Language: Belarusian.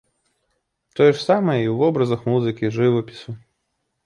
Тое ж самае і ў вобразах музыкі, жывапісу.